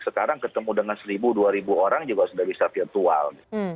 sekarang ketemu dengan seribu dua ribu orang juga sudah bisa virtual